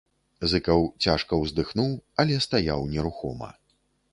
Зыкаў цяжка ўздыхнуў, але стаяў нерухома.